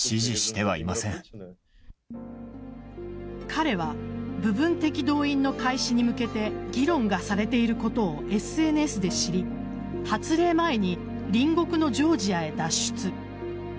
彼は部分的動員の開始に向けて議論がされていることをＳＮＳで知り発令前に隣国のジョージアへ脱出。